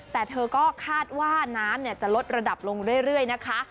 แต่เธอก็คาดว่าน้ำจะลดระดับลงเรื่อยนะคะ